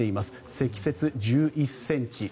積雪１１ｃｍ。